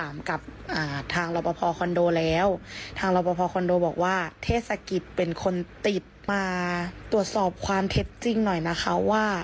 มาตรวจสอบความเท็จจริงหน่อยนะคะว่า